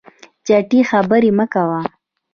چټي خبري مه کوه !